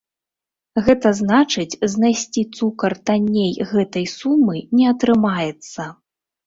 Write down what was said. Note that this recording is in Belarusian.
Гэта значыць, знайсці цукар танней гэтай сумы не атрымаецца.